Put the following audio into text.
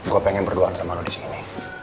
gue pengen berdoa sama lo disini